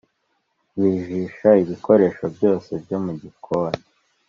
bajisha ibikoresho byose byo mu gikoni :